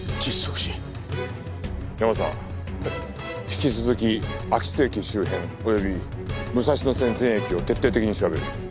引き続き秋津駅周辺および武蔵野線全駅を徹底的に調べる。